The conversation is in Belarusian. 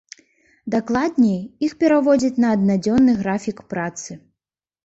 Дакладней, іх пераводзяць на аднадзённы графік працы.